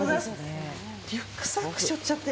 リュックサック背負っちゃって。